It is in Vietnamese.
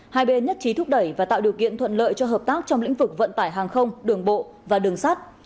hai bên nhất trí thúc đẩy và tạo điều kiện thuận lợi cho hợp tác trong lĩnh vực vận tải hàng không đường bộ và đường sắt